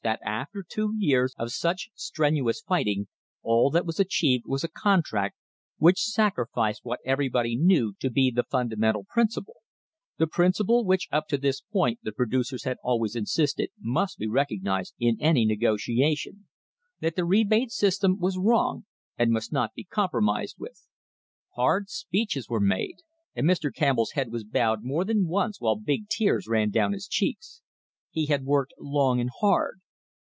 THE COMPROMISE OF 1880 after two years of such strenuous fighting all that was achieved was a contract which sacrificed what everybody knew to be the fundamental principle, the principle which up to this point the producers had always insisted must be recognised in any negotiation — that the rebate system was wrong and must not be compromised with. Hard speeches were made, and Mr. Campbell's head was bowed more than once while big tears ran down his cheeks. He had worked long and hard.